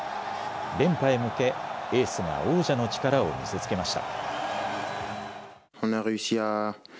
連覇へ向けエースが王者の力を見せつけました。